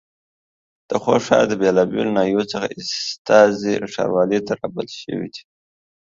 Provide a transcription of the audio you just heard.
د خوست ښار د بېلابېلو ناحيو څخه استازي ښاروالۍ ته رابلل شوي دي.